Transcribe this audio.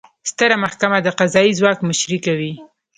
ستره محکمه د قضایي ځواک مشري کوي